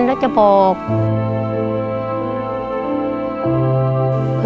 มีใครสู้